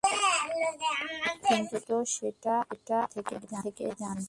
কিন্তু তুমি তো সেটা আগে থেকেই জানতে।